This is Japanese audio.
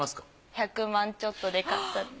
１００万ちょっとで買ったって。